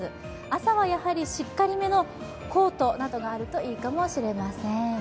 朝はやはりしっかりめのコートなどがあるといいかもしれません。